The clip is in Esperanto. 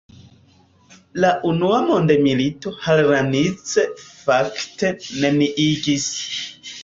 La unua mondmilito Hranice fakte neniigis.